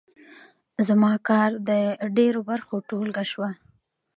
زما کار د ډېرو برخو ټولګه شوه.